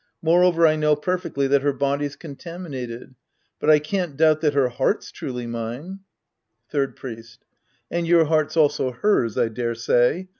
Moreover, I know perfectly that her body's contaminated. But I can't doubt that her heart's truly mine. Third Priest. And your heart's also hers, I dare say.